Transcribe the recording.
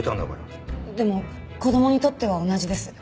でも子供にとっては同じです。